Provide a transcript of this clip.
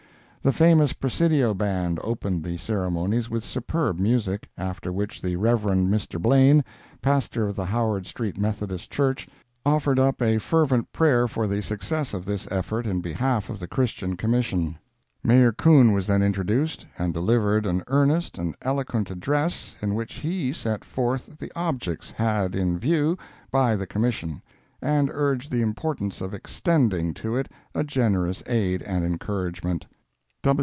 The famous Presidio Band opened the ceremonies with superb music, after which the Rev. Mr. Blane, pastor of the Howard street Methodist Church, offered up a fervent prayer for the success of this effort in behalf of the Christian Commission. Mayor Coon was then introduced, and delivered an earnest and eloquent address in which he set forth the objects had in view by the Commission, and urged the importance of extending to it a generous aid and encouragement.